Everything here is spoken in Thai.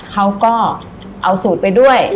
เขาก็เอาสูตรไปด้วย